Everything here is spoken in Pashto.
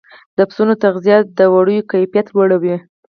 د پسونو تغذیه د وړیو کیفیت لوړوي.